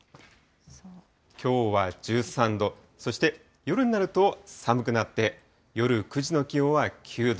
きょうは１３度、そして夜になると、寒くなって、夜９時の気温は９度。